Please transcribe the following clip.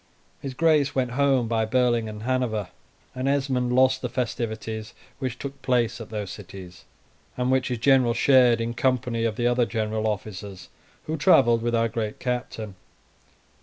His Grace went home by Berlin and Hanover, and Esmond lost the festivities which took place at those cities, and which his general shared in company of the other general officers who travelled with our great captain.